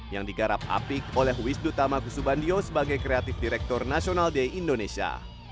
yang digarap apik oleh wisnu tamaku subandio sebagai kreatif direktur national day indonesia